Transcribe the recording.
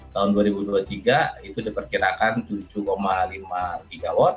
tahun dua ribu dua puluh tiga itu diperkirakan tujuh lima gw